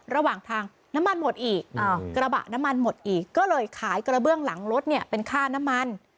ระหว่างทางน้ำมันหมดอีกกระบะน้ำมันหมดอีกก็เลยขายกระเบื้องหลังรถเนี่ยเป็นค่าน้ำมัน